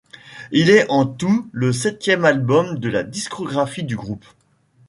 Il est en tout le septième album de la discographie du groupe.